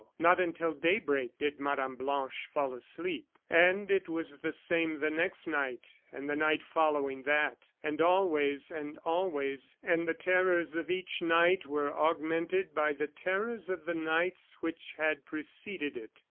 Not until daybreak did Mme. Blanche fall asleep. And it was the same the next night, and the night following that, and always and always; and the terrors of each night were augmented by the terrors of the nights which had preceded it.